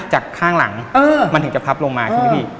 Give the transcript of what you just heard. ข้างหลังมันถึงจะพับลงมาใช่ไหมพี่